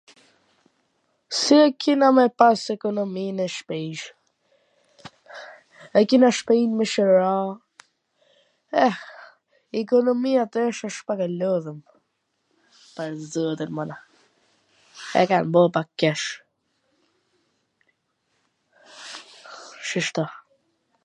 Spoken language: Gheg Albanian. Si e kena me pas ekonomin e shpis? E kena shpin me Cera, eh, ikonomia tesh asht pak e lodhun, pash zotin, mana, e kan bo pak kesh, shishto.